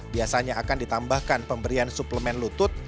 biasanya akan ditambahkan pemberian suplemen lutut